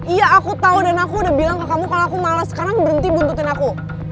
iya aku tahu dan aku udah bilang ke kamu kalau aku malah sekarang berhenti buntutin aku